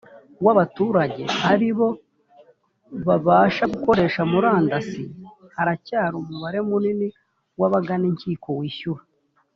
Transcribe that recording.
w abaturage ari bo babasha gukoresha murandasi haracyari umubare munini w abagana inkiko wishyura